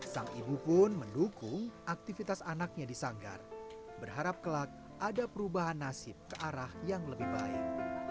sang ibu pun mendukung aktivitas anaknya di sanggar berharap kelak ada perubahan nasib ke arah yang lebih baik